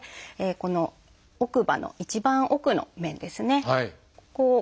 この奥歯の一番奥の面ですね。